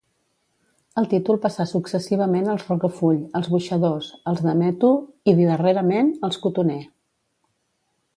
El títol passà successivament als Rocafull, als Boixadors, als Dameto i, darrerament, als Cotoner.